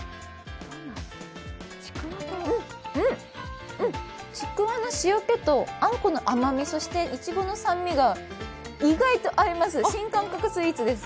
うん、ちくわの塩気とあんこの甘みそしていちごの酸味が意外と合います、新感覚スイーツです。